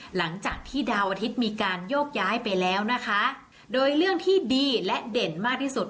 หลังจากที่ดาวอาทิตย์มีการโยกย้ายไปแล้วนะคะโดยเรื่องที่ดีและเด่นมากที่สุด